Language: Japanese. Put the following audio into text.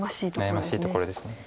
悩ましいところです。